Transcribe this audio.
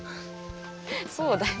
そうだよ。